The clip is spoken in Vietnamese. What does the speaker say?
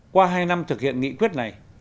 qua hai năm thực hiện nghị quyết này